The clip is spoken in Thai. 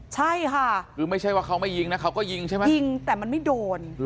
ใช่ค่ะคือไม่ใช่ว่าเขาไม่ยิงนะเขาก็ยิงใช่ไหมยิงแต่มันไม่โดน